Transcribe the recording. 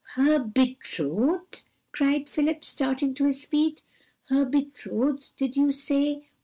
"Her betrothed!" cried Philip, starting to his feet, "her betrothed did you say?